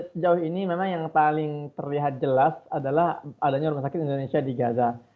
sejauh ini memang yang paling terlihat jelas adalah adanya rumah sakit indonesia di gaza